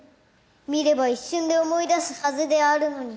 見れば一瞬で思い出すはずであるのに。